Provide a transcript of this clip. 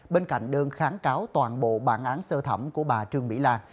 bên cạnh đơn kháng cáo toàn bộ bản án sơ thẩm của bà trương mỹ lan